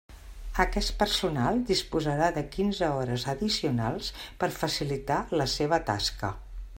Aquest personal disposarà de quinze hores addicionals per facilitar la seva tasca.